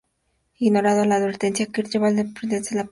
Ignorando la advertencia, Kirk lleva al "Enterprise" al planeta.